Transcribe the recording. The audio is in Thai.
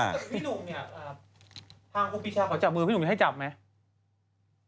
ทางคุณพิชาขอจับมือพี่หนุ่มจะให้จับไหม